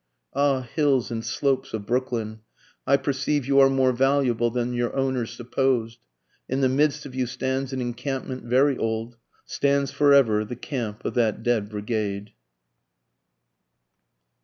Ah, hills and slopes of Brooklyn! I perceive you are more valuable than your owners supposed; In the midst of you stands an encampment very old, Stands forever the camp of that dead brigade.